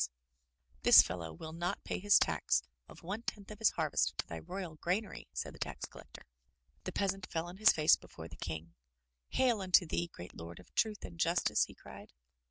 262 THROUGH FAIRY HALLS "This fellow will not pay his tax of one tenth of his harvest to thy royal granary!*' said the tax collector. The peasant fell on his face before the King. Hail unto thee, great Lord of Truth and Justice!*' he cried.